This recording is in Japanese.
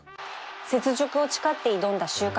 雪辱を誓って挑んだ秋華賞